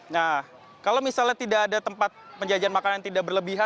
nah kalau misalnya tidak ada tempat penjajahan makanan yang tidak berlebihan